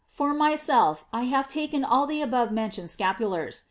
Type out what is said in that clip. For myself, I have taken all the above mentioned scapulars.